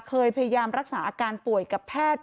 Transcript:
พยายามรักษาอาการป่วยกับแพทย์